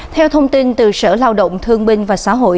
theo thông tin từ sở lao động thương binh và xã hội